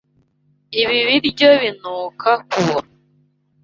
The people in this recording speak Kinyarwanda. Ibi biryo binuka kubora.